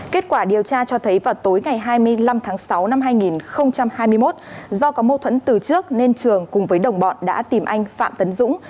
kết quả điều tra cho thấy vào tối ngày hai mươi năm tháng sáu năm hai nghìn hai mươi một do có mâu thuẫn từ trước nên trường cùng với đồng bọn đã tìm anh phạm tấn dũng